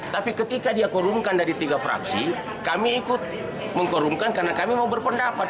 tapi ketika dia korumkan dari tiga fraksi kami ikut mengkorumkan karena kami mau berpendapat